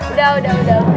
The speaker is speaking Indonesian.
udah udah udah